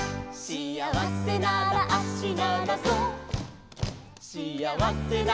「しあわせなら足ならそう」